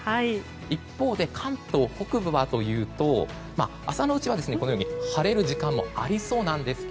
一方で、関東北部は朝のうちはこのように晴れる時間もありそうなんですが。